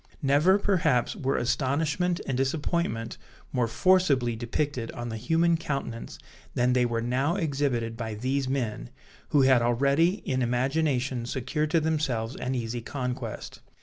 Never, perhaps, were astonishment and disappointment more forcibly depicted on the human countenance, than they were now exhibited by these men, who had already in imagination secured to themselves an easy conquest.